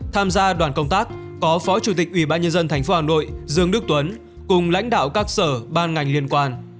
tham gia đoàn công tác có phó chủ tịch ubnd tp hà nội dương đức tuấn cùng lãnh đạo các sở ban ngành liên quan